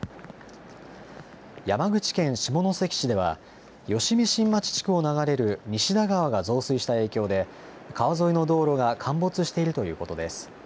山口県下関市では、吉見新町地区を流れる西田川が増水した影響で、川沿いの道路が陥没しているということです。